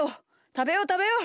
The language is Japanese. たべようたべよう！